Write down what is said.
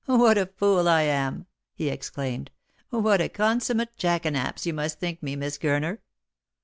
" What a fool I am !" he exclaimed. " What a consummate jackanapes you must think me, Miss Gurner